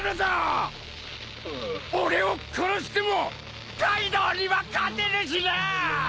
俺を殺してもカイドウには勝てぬしな！